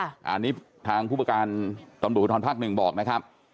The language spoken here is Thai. อันนี้ทางผู้ประการตำบุธรภัณฑ์ภาค๑บอกนะครับ